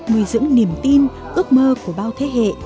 nuôi dưỡng niềm tin ước mơ của bao thế hệ